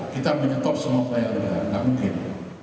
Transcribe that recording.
kita mengetop semua upaya tidak mungkin